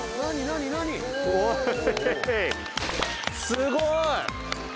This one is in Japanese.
すごい！